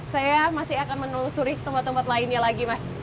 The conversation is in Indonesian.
saya masih akan menelusuri tempat tempat lainnya lagi mas